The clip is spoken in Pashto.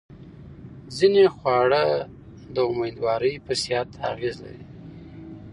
ځینې خواړه د مېندوارۍ په صحت اغېزه لري.